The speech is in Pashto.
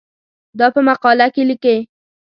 دا په مقاله کې لیکې.